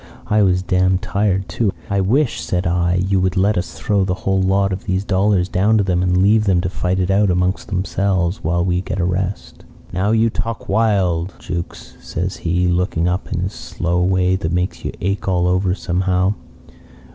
I was dam' tired, too. 'I wish,' said I, 'you would let us throw the whole lot of these dollars down to them and leave them to fight it out amongst themselves, while we get a rest.' "'Now you talk wild, Jukes,' says he, looking up in his slow way that makes you ache all over, somehow.